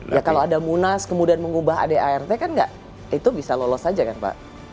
ya kalau ada munas kemudian mengubah adart kan itu bisa lolos saja kan pak